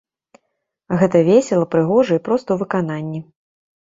Гэта весела, прыгожа і проста ў выкананні.